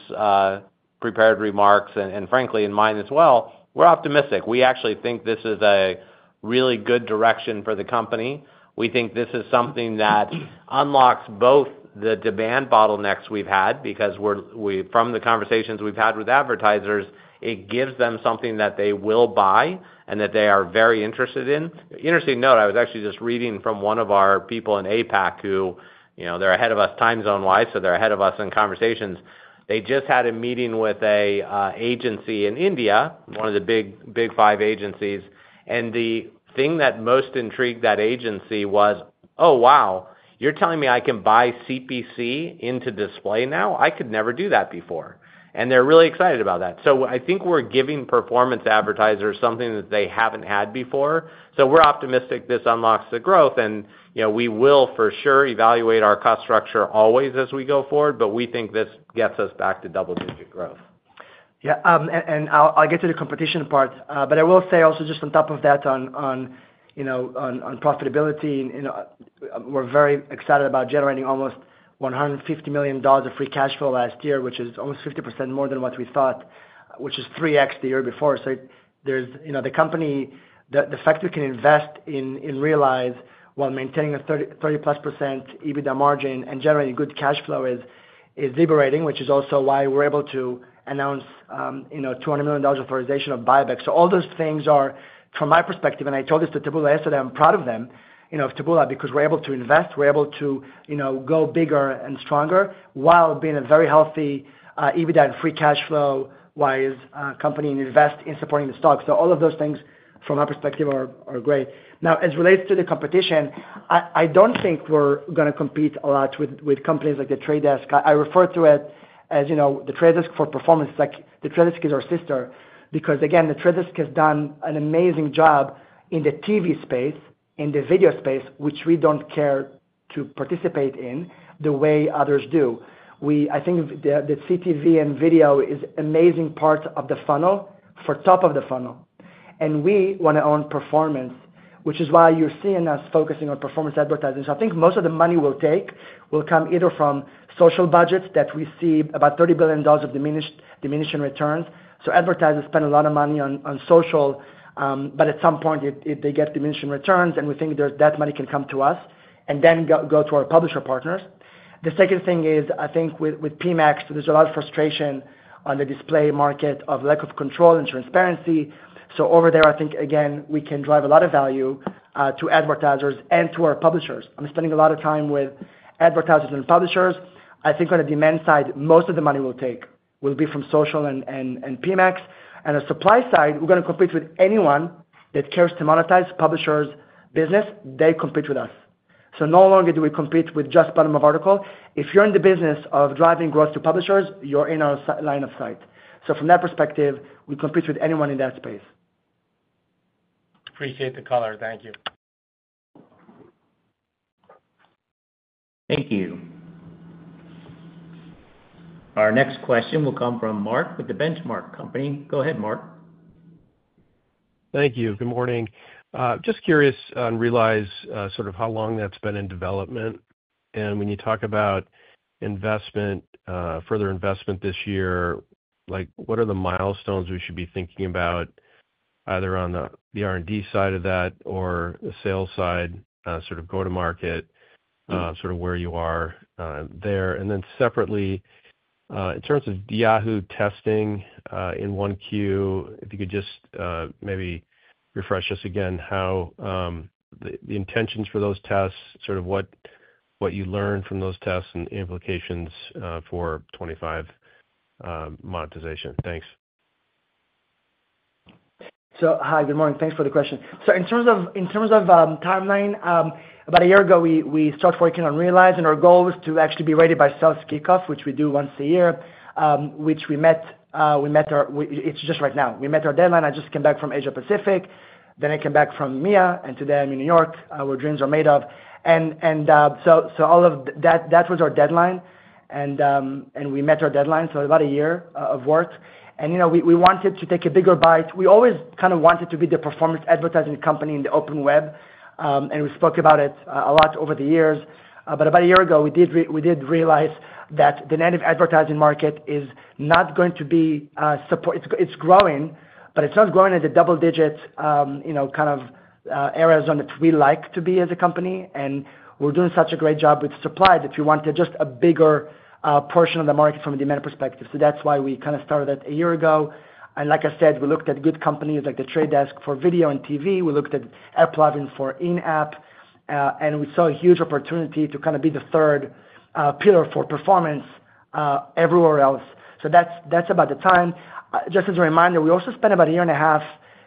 prepared remarks and frankly in mine as well, we're optimistic. We actually think this is a really good direction for the company. We think this is something that unlocks both the demand bottlenecks we've had because from the conversations we've had with advertisers, it gives them something that they will buy and that they are very interested in. Interesting note, I was actually just reading from one of our people in APAC who they're ahead of us time zone-wise, so they're ahead of us in conversations. They just had a meeting with an agency in India, one of the big five agencies. And the thing that most intrigued that agency was, "Oh, wow. You're telling me I can buy CPC into display now? I could never do that before." And they're really excited about that. So I think we're giving performance advertisers something that they haven't had before. So we're optimistic this unlocks the growth. And we will for sure evaluate our cost structure always as we go forward, but we think this gets us back to double-digit growth. Yeah. And I'll get to the competition part. But I will say also just on top of that on profitability, we're very excited about generating almost $150 million of free cash flow last year, which is almost 50% more than what we thought, which is 3x the year before. So the fact we can invest in Realize while maintaining a 30-plus% EBITDA margin and generating good cash flow is liberating, which is also why we're able to announce $200 million authorization of buyback. So all those things are, from my perspective, and I told this to Taboola yesterday. I'm proud of them of Taboola because we're able to invest, we're able to go bigger and stronger while being a very healthy EBITDA and free cash flow-wise company and invest in supporting the stock. So all of those things, from my perspective, are great. Now, as it relates to the competition, I don't think we're going to compete a lot with companies like The Trade Desk. I refer to it as The Trade Desk for performance. The Trade Desk is our sister because, again, The Trade Desk has done an amazing job in the TV space, in the video space, which we don't care to participate in the way others do. I think the CTV and video is an amazing part of the funnel for top of the funnel. We want to own performance, which is why you're seeing us focusing on performance advertising. So I think most of the money we'll take will come either from social budgets that we see about $30 billion of diminishing returns. So advertisers spend a lot of money on social, but at some point, if they get diminishing returns, and we think that money can come to us and then go to our publisher partners. The second thing is, I think with PMAX, there's a lot of frustration on the display market of lack of control and transparency. So over there, I think, again, we can drive a lot of value to advertisers and to our publishers. I'm spending a lot of time with advertisers and publishers. I think on the demand side, most of the money we'll take will be from social and PMAX. And on the supply side, we're going to compete with anyone that cares to monetize publishers' business. They compete with us. So no longer do we compete with just bottom-of-article. If you're in the business of driving growth to publishers, you're in our line of sight. So from that perspective, we compete with anyone in that space. Appreciate the color. Thank you. Thank you. Our next question will come from Mark with The Benchmark Company. Go ahead, Mark. Thank you. Good morning. Just curious on Realize, sort of how long that's been in development. And when you talk about investment, further investment this year, what are the milestones we should be thinking about, either on the R&D side of that or the sales side, sort of go-to-market, sort of where you are there? And then separately, in terms of Yahoo testing in 1Q, if you could just maybe refresh us again how the intentions for those tests, sort of what you learned from those tests and implications for 25 monetization? Thanks. So hi, good morning. Thanks for the question. So in terms of timeline, about a year ago, we started working on Realize. And our goal was to actually be ready by Sales Kickoff, which we do once a year, which we met. It's just right now. We met our deadline. I just came back from Asia-Pacific. Then I came back from EMEA, and today I'm in New York, where dreams are made of. And so all of that was our deadline. And we met our deadline. So about a year of work. And we wanted to take a bigger bite. We always kind of wanted to be the performance advertising company in the open web. And we spoke about it a lot over the years. But about a year ago, we did realize that the native advertising market is not going to be. It's growing, but it's not growing at the double-digit kind of areas on which we like to be as a company. And we're doing such a great job with supply that we wanted just a bigger portion of the market from a demand perspective. So that's why we kind of started that a year ago. And like I said, we looked at good companies like The Trade Desk for video and TV. We looked at AppLovin for in-app. And we saw a huge opportunity to kind of be the third pillar for performance everywhere else. So that's about the time. Just as a reminder, we also spent about a year and a half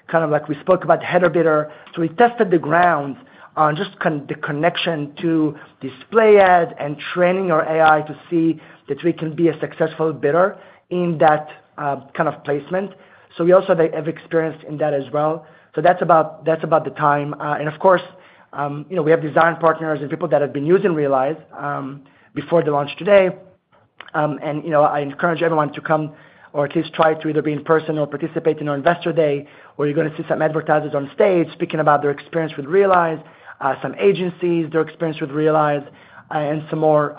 kind of like we spoke about header bidding. So we tested the ground on just kind of the connection to display ads and training our AI to see that we can be a successful bidder in that kind of placement. So we also have experience in that as well. So that's about the time. And of course, we have design partners and people that have been using Realize before the launch today. And I encourage everyone to come or at least try to either be in person or participate in our Investor Day, where you're going to see some advertisers on stage speaking about their experience with Realize, some agencies, their experience with Realize, and some more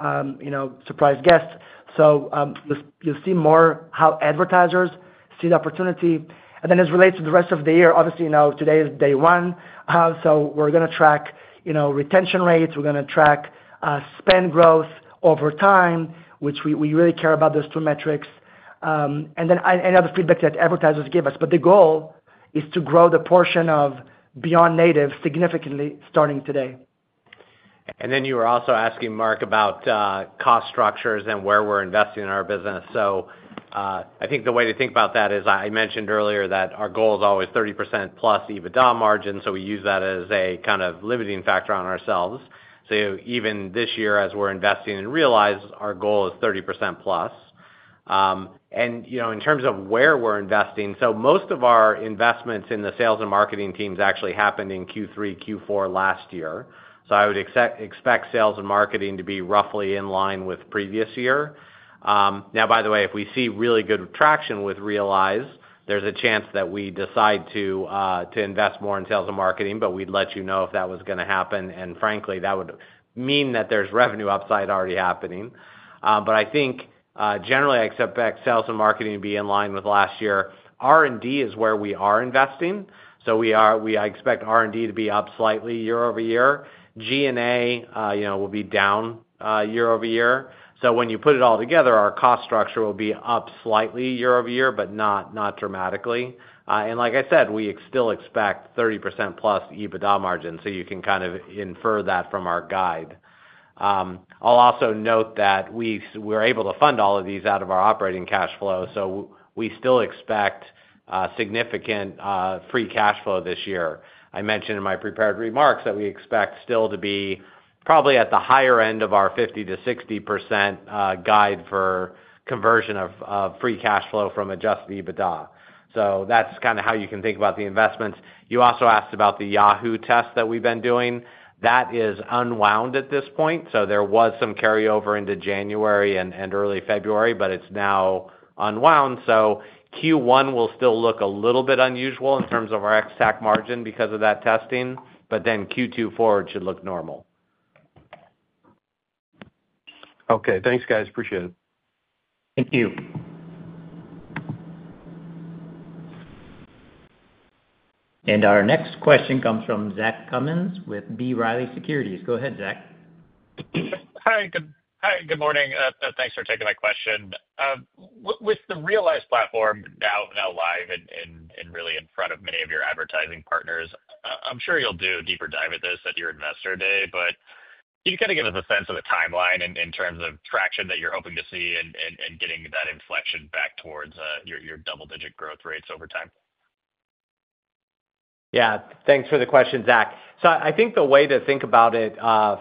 surprise guests. So you'll see more how advertisers see the opportunity. And then as it relates to the rest of the year, obviously, today is day one. So we're going to track retention rates. We're going to track spend growth over time, which we really care about those two metrics. And then any other feedback that advertisers give us. But the goal is to grow the portion of beyond native significantly starting today. And then you were also asking Mark about cost structures and where we're investing in our business. So I think the way to think about that is I mentioned earlier that our goal is always 30% plus EBITDA margin. So we use that as a kind of limiting factor on ourselves. So even this year, as we're investing in Realize, our goal is 30% plus. And in terms of where we're investing, most of our investments in the sales and marketing teams actually happened in Q3, Q4 last year. I would expect sales and marketing to be roughly in line with previous year. Now, by the way, if we see really good traction with Realize, there's a chance that we decide to invest more in sales and marketing, but we'd let you know if that was going to happen. And frankly, that would mean that there's revenue upside already happening. But I think generally, I expect sales and marketing to be in line with last year. R&D is where we are investing. I expect R&D to be up slightly year over year. G&A will be down year over year. So when you put it all together, our cost structure will be up slightly year over year, but not dramatically. Like I said, we still expect 30% plus EBITDA margin. So you can kind of infer that from our guide. I'll also note that we were able to fund all of these out of our operating cash flow. So we still expect significant free cash flow this year. I mentioned in my prepared remarks that we expect still to be probably at the higher end of our 50%-60% guide for conversion of free cash flow from Adjusted EBITDA. So that's kind of how you can think about the investments. You also asked about the Yahoo test that we've been doing. That is unwound at this point. So there was some carryover into January and early February, but it's now unwound. So Q1 will still look a little bit unusual in terms of our Ex-TAC margin because of that testing. But then Q2, Q4, it should look normal. Okay. Thanks, guys. Appreciate it. Thank you. And our next question comes from Zach Cummins with B. Riley Securities. Go ahead, Zach. Hi. Good morning. Thanks for taking my question. With the Realize platform now live and really in front of many of your advertising partners, I'm sure you'll do a deeper dive at this at your Investor Day, but can you kind of give us a sense of the timeline in terms of traction that you're hoping to see and getting that inflection back towards your double-digit growth rates over time? Yeah. Thanks for the question, Zach. So I think the way to think about it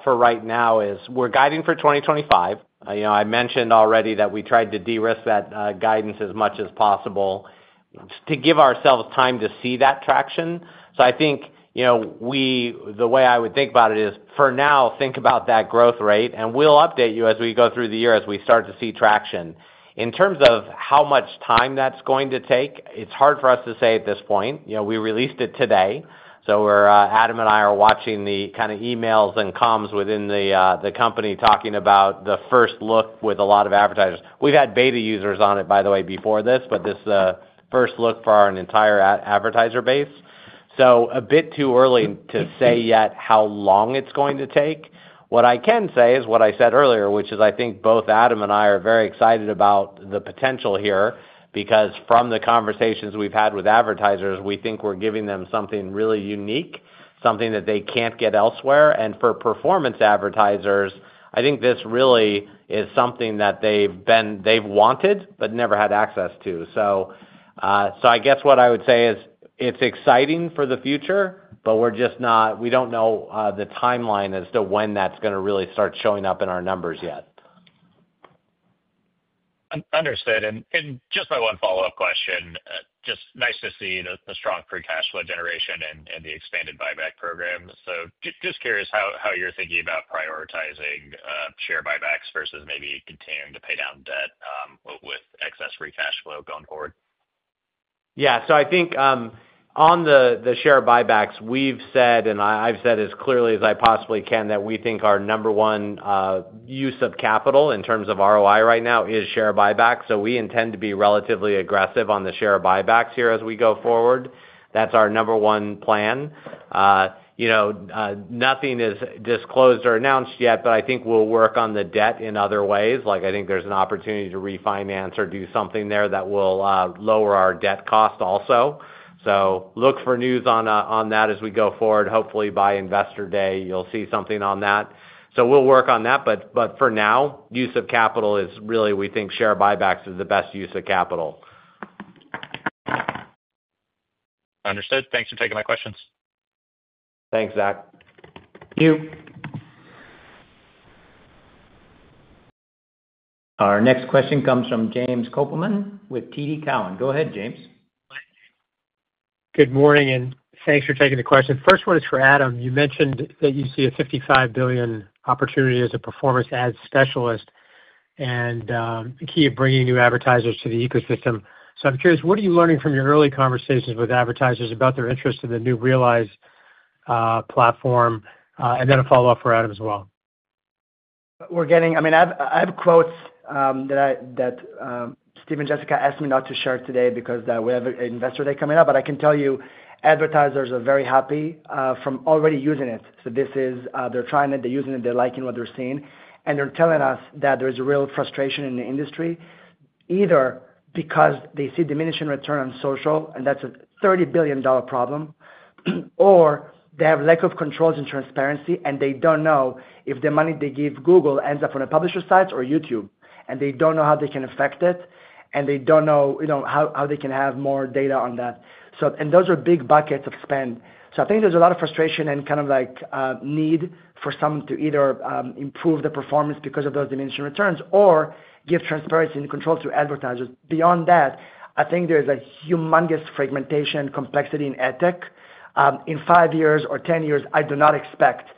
for right now is we're guiding for 2025. I mentioned already that we tried to de-risk that guidance as much as possible to give ourselves time to see that traction. So I think the way I would think about it is, for now, think about that growth rate, and we'll update you as we go through the year as we start to see traction. In terms of how much time that's going to take, it's hard for us to say at this point. We released it today. So Adam and I are watching the kind of emails and comms within the company talking about the first look with a lot of advertisers. We've had beta users on it, by the way, before this, but this first look for our entire advertiser base. So a bit too early to say yet how long it's going to take. What I can say is what I said earlier, which is I think both Adam and I are very excited about the potential here because from the conversations we've had with advertisers, we think we're giving them something really unique, something that they can't get elsewhere. And for performance advertisers, I think this really is something that they've wanted but never had access to. So I guess what I would say is it's exciting for the future, but we don't know the timeline as to when that's going to really start showing up in our numbers yet. Understood. And just my one follow-up question. Just nice to see the strong free cash flow generation and the expanded buyback program. So just curious how you're thinking about prioritizing share buybacks versus maybe continuing to pay down debt with excess free cash flow going forward. Yeah. I think on the share buybacks, we've said, and I've said as clearly as I possibly can, that we think our number one use of capital in terms of ROI right now is share buybacks. We intend to be relatively aggressive on the share buybacks here as we go forward. That's our number one plan. Nothing is disclosed or announced yet, but I think we'll work on the debt in other ways. I think there's an opportunity to refinance or do something there that will lower our debt cost also. Look for news on that as we go forward. Hopefully, by Investor Day, you'll see something on that. We'll work on that. But for now, use of capital is really, we think share buybacks is the best use of capital. Understood. Thanks for taking my questions. Thanks, Zach. Thank you. Our next question comes from James Koppelman with TD Cowen. Go ahead, James. Good morning, and thanks for taking the question. First one is for Adam. You mentioned that you see a $55 billion opportunity as a performance ad specialist and the key of bringing new advertisers to the ecosystem. So I'm curious, what are you learning from your early conversations with advertisers about their interest in the new Realize platform? And then a follow-up for Adam as well. I mean, I have quotes that Steve and Jessica asked me not to share today because we have an Investor Day coming up. But I can tell you advertisers are very happy from already using it. So they're trying it. They're using it. They're liking what they're seeing. They're telling us that there's real frustration in the industry, either because they see diminishing return on social, and that's a $30 billion problem, or they have lack of controls and transparency, and they don't know if the money they give Google ends up on the publisher's sites or YouTube. They don't know how they can affect it, and they don't know how they can have more data on that. Those are big buckets of spend. I think there's a lot of frustration and kind of need for someone to either improve the performance because of those diminishing returns or give transparency and control to advertisers. Beyond that, I think there's a humongous fragmentation and complexity in EdTech. In five years or ten years, I do not expect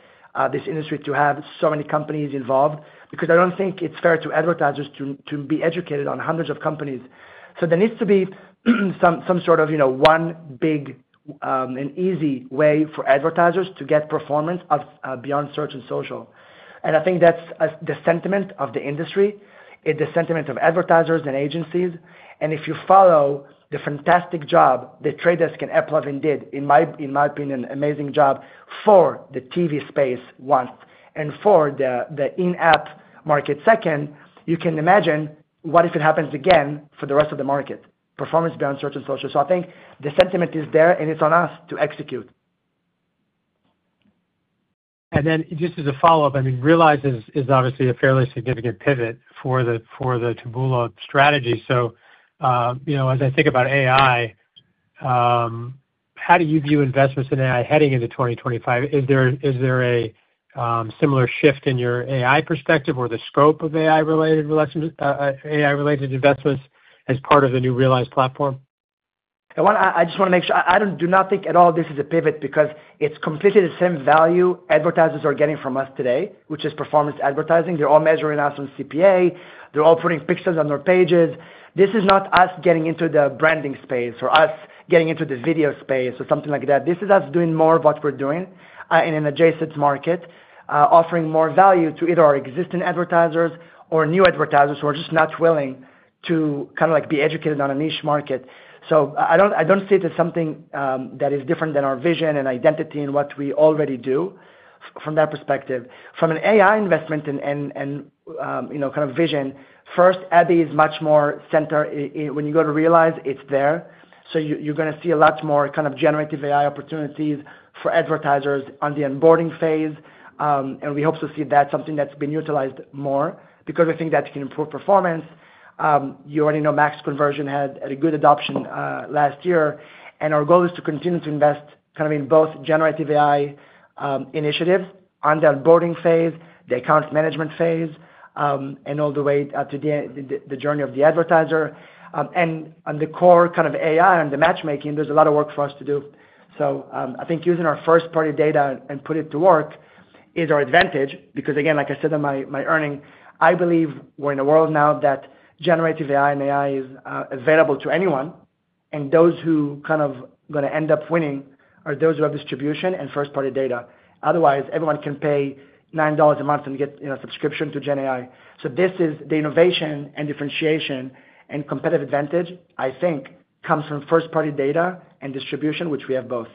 this industry to have so many companies involved because I don't think it's fair to advertisers to be educated on hundreds of companies. So there needs to be some sort of one big and easy way for advertisers to get performance beyond search and social. And I think that's the sentiment of the industry. It's the sentiment of advertisers and agencies. And if you follow the fantastic job that The Trade Desk and AppLovin did, in my opinion, an amazing job for the TV space once and for the in-app market second, you can imagine what if it happens again for the rest of the market, performance beyond search and social. So I think the sentiment is there, and it's on us to execute. And then just as a follow-up, I mean, Realize is obviously a fairly significant pivot for the Taboola strategy. So as I think about AI, how do you view investments in AI heading into 2025? Is there a similar shift in your AI perspective or the scope of AI-related investments as part of the new Realize platform? I just want to make sure you do not think that this is a pivot at all because it's completely the same value advertisers are getting from us today, which is performance advertising. They're all measuring us on CPA. They're all putting pixels on their pages. This is not us getting into the branding space or us getting into the video space or something like that. This is us doing more of what we're doing in an adjacent market, offering more value to either our existing advertisers or new advertisers who are just not willing to kind of be educated on a niche market, so I don't see it as something that is different than our vision and identity and what we already do from that perspective. From an AI investment and kind of vision, first, Abby is much more centered. When you go to Realize, it's there. So you're going to see a lot more kind of generative AI opportunities for advertisers on the onboarding phase, and we hope to see that's something that's been utilized more because we think that can improve performance. You already know Max Conversions had a good adoption last year. Our goal is to continue to invest kind of in both generative AI initiatives on the onboarding phase, the account management phase, and all the way to the journey of the advertiser. And on the core kind of AI and the matchmaking, there's a lot of work for us to do. So I think using our first-party data and putting it to work is our advantage because, again, like I said in my earnings, I believe we're in a world now that generative AI and AI is available to anyone. And those who kind of are going to end up winning are those who have distribution and first-party data. Otherwise, everyone can pay $9 a month and get a subscription to GenAI. So this is the innovation and differentiation and competitive advantage, I think, comes from first-party data and distribution, which we have both.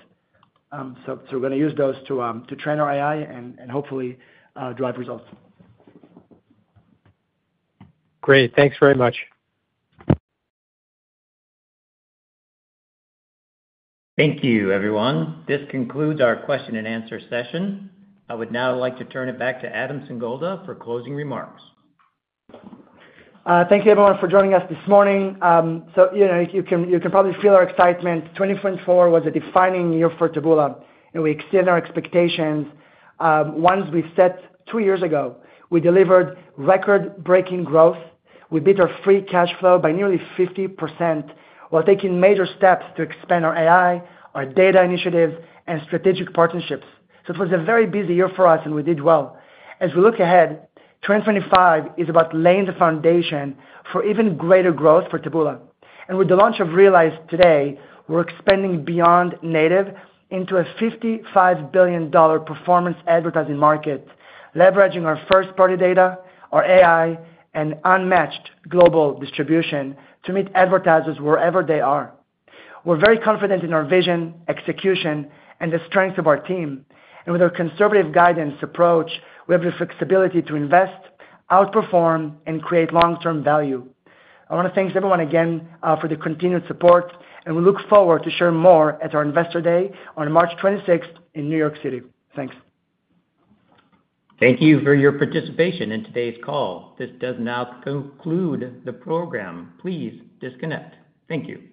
So we're going to use those to train our AI and hopefully drive results. Great. Thanks very much. Thank you, everyone. This concludes our question-and-answer session. I would now like to turn it back to Adam Singolda for closing remarks. Thank you, everyone, for joining us this morning. So you can probably feel our excitement. 2024 was a defining year for Taboola. And we exceeded our expectations. Ones we set two years ago, we delivered record-breaking growth. We beat our free cash flow by nearly 50% while taking major steps to expand our AI, our data initiatives, and strategic partnerships. So it was a very busy year for us, and we did well. As we look ahead, 2025 is about laying the foundation for even greater growth for Taboola. With the launch of Realize today, we're expanding beyond native into a $55 billion performance advertising market, leveraging our first-party data, our AI, and unmatched global distribution to meet advertisers wherever they are. We're very confident in our vision, execution, and the strength of our team. And with our conservative guidance approach, we have the flexibility to invest, outperform, and create long-term value. I want to thank everyone again for the continued support. And we look forward to sharing more at our Investor Day on March 26th in New York City. Thanks. Thank you for your participation in today's call. This does now conclude the program. Please disconnect. Thank you.